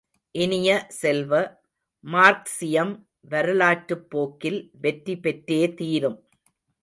இனிய செல்வ, மார்க்சியம் வரலாற்றுப்போக்கில் வெற்றி பெற்றே தீரும்.